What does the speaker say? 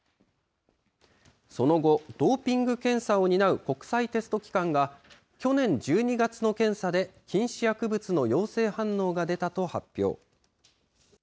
その後、ドーピング検査を担う国際テスト機関が、去年１２月の検査で、禁止薬物の陽性反応が出たと発表。